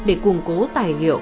để củng cố tài liệu